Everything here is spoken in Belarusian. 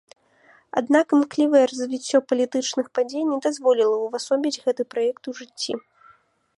Аднак імклівае развіццё палітычных падзей не дазволіла увасобіць гэты праект у жыцці.